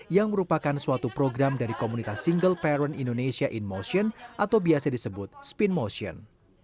yang merupakan suatu program dari komunitas single parent indonesia in motion atau biasa disebut spin motion